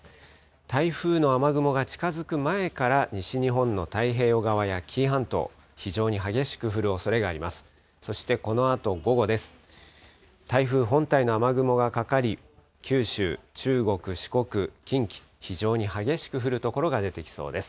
台風の雨雲が近づく前から西日本の太平洋側や紀伊半島、非常に激しく降るおそれがあります。